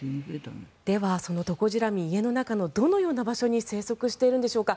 では、そのトコジラミ家の中のどのような場所に生息しているんでしょうか。